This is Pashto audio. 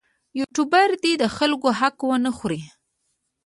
یوټوبر دې د خلکو حق ونه خوري.